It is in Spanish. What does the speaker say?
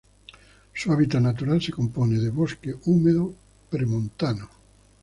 Su hábitat natural se compone de bosque húmedo premontano.